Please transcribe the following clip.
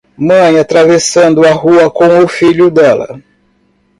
Mãe atravessando a rua com o filho dela.